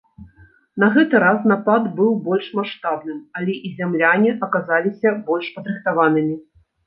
На гэты раз напад быў больш маштабным, але і зямляне аказаліся больш падрыхтаванымі.